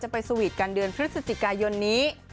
ไปสวีทกันเดือนพฤศจิกายนนี้